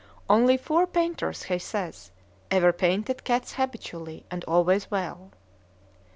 Only four painters, he says, ever painted cats habitually and always well.